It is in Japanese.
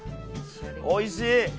おいしい。